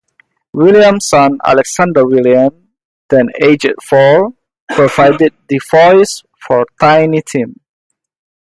Williams' son Alexander Williams, then aged four, provided the voice for Tiny Tim.